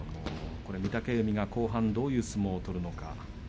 御嶽海が後半、どういう相撲を取るのか。